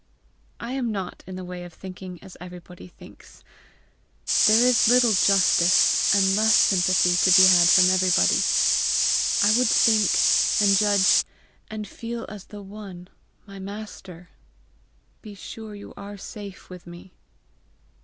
"I am not in the way of thinking as everybody thinks. There is little justice, and less sympathy, to be had from everybody. I would think and judge and feel as the one, my Master. Be sure you are safe with me."